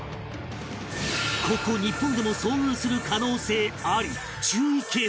ここ日本でも遭遇する可能性あり